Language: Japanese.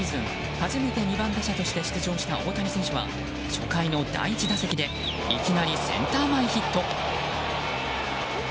初めて２番打者として出場した大谷選手は、初回の第１打席でいきなりセンター前ヒット。